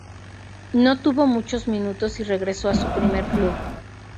No tuvo muchos minutos y regresó a su primer club.